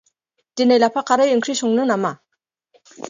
दिनै लाफा खारै ओंख्रि संनो नामा?